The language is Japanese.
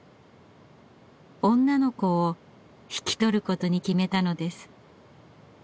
女の子を引き取ることに決めたのです。